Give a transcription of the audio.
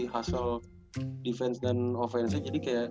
hustle defense dan offense nya jadi kayak